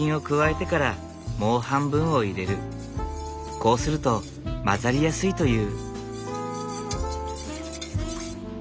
こうすると混ざりやすいという。